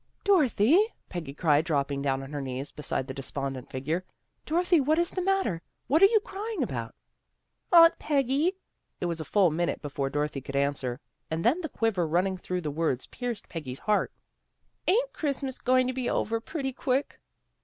" Dorothy! " Peggy cried, dropping down on her knees beside the despondent figure. " Dorothy, what is the matter? What are you crying about? "" Aunt Peggy." It was a full minute before Dorothy could answer, and then the quiver running through the words pierced Peggy's heart. "Ain't Christmas going to be over pretty quick?